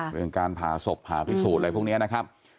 เรื่องการผ่าศพผ่าพิสูจน์อะไรพวกนี้นะครับ